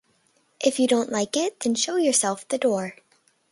If you don't like it, then show yourself the door.